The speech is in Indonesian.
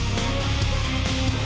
mas ini dia mas